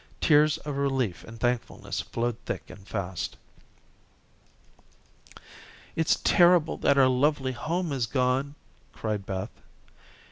Tears of relief and thankfulness flowed thick and fast. "It's terrible that our lovely home is gone," cried Beth.